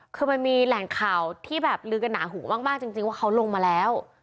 คือมันมีแหล่งข่าวที่แบบลือกันหนาหูมากจริงว่าเขาลงมาแล้ว